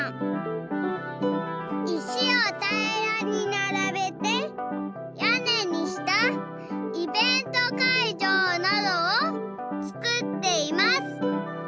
石をたいらにならべてやねにしたイベント会場などをつくっています。